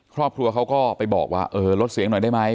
ครอบครัวเขาก็ไปบอกว่าเออลดเสียงหน่อยได้ไหม